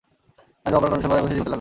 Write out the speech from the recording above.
আনিস বসার ঘরের সোফায় বসে ঝিমুতে লাগল।